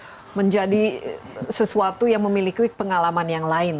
itu menjadi sesuatu yang memiliki pengalaman yang lain